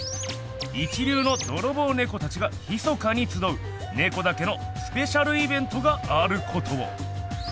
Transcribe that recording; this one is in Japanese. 一流のドロボウネコたちがひそかにつどうネコだけのスペシャルイベントがあることを！